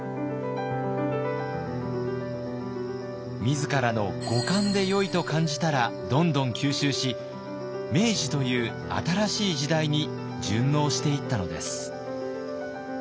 自らの五感でよいと感じたらどんどん吸収し明治という新しい時代に順応していったのです。